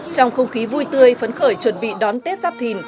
trong không khí vui tươi phấn khởi chuẩn bị đón tết giáp thìn